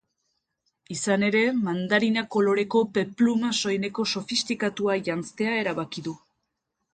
Izan ere, mandarina koloreko peplum soineko sofistikatua janztea erabaki du.